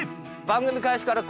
番組開始から。